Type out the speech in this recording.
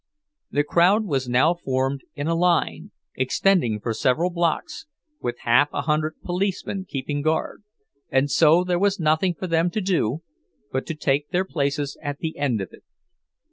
The crowd was now formed in a line, extending for several blocks, with half a hundred policemen keeping guard, and so there was nothing for them to do but to take their places at the end of it.